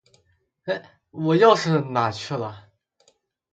哎，我钥匙哪儿去了？